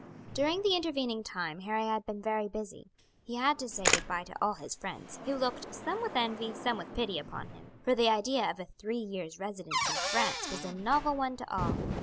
During the intervening time Harry had been very busy, he had to say good bye to all his friends, who looked, some with envy, some with pity, upon him, for the idea of a three years' residence in France was a novel one to all.